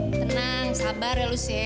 tenang sabar ya lu sje